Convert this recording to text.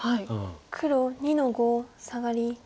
黒２の五サガリ。